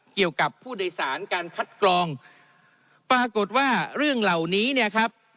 เกี่ยวกับผู้โดยสารการคัดกรองปรากฏว่าเรื่องเหล่านี้เนี่ยครับ